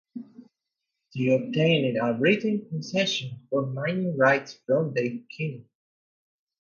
They obtained a written concession for mining rights from they king.